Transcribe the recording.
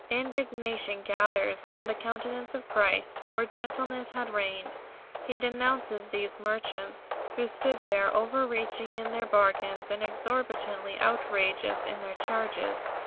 Indignation gathers on the countenance of Christ where gentleness had reigned. He denounces these merchants, who stood there over reaching in their bargains and exorbitantly outrageous in their charges.